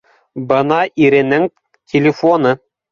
— Бына иренең телефоны